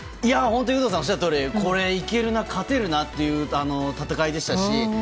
有働さんがおっしゃるとおりこれ、いけるな勝てるなという戦いでしたし。